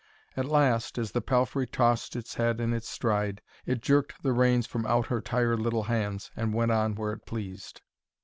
At last, as the palfrey tossed its head in its stride, it jerked the reins from out her tired little hands, and went on where it pleased.